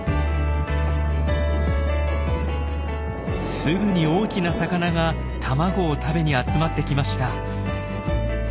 すぐに大きな魚が卵を食べに集まってきました。